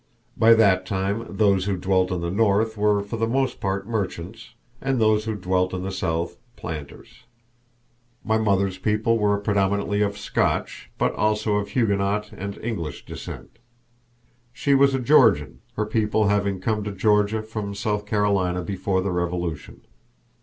By that time those who dwelt in the North were for the most part merchants, and those who dwelt in the South, planters. My mother's people were predominantly of Scotch, but also of Huguenot and English, descent. She was a Georgian, her people having come to Georgia from South Carolina before the Revolution.